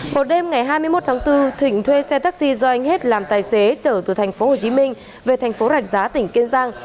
một đêm ngày hai mươi một tháng bốn thịnh thuê xe taxi do anh hết làm tài xế trở từ thành phố hồ chí minh về thành phố rạch giá tỉnh kiên giang